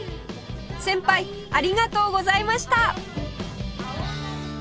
先輩ありがとうございました！